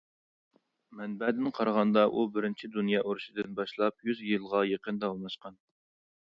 مەنبەدىن قارىغاندا ، ئۇ بىرىنچى دۇنيا ئۇرۇشىدىن باشلاپ يۈز يىلغا يېقىن داۋاملاشقان.